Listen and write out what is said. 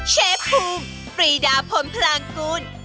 เชฟภูมิฟรีดาพลพลังกุล